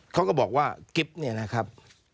เขาก็บอกว่ากิ๊บเนี่ยนะครับ